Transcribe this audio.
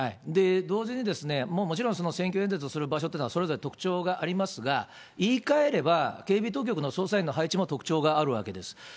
同時に、もちろん選挙演説をする場所というのはそれぞれ特徴がありますが、言いかえれば、警備当局の捜査員の配置も特徴があるわけです。